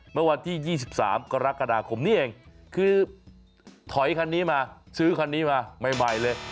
เมื่อวันที่๒๓กรกฎาคมนี้เองคือถอยคันนี้มาซื้อคันนี้มาใหม่เลย